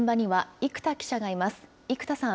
生田さん。